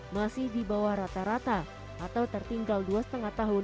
masih di bawah rata rata atau tertinggal dua lima tahun